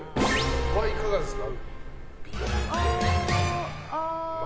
これはいかがですか？